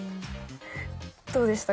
どうでした？